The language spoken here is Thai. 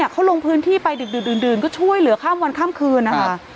เขาลงพื้นที่ไปดึกดื่นก็ช่วยเหลือข้ามวันข้ามคืนนะคะ